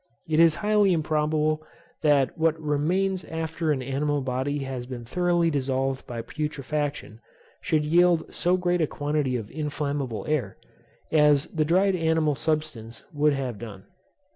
It is highly improbable that what remains after an animal body has been thoroughly dissolved by putrefaction, should yield so great a quantity of inflammable air, as the dried animal substance would have done.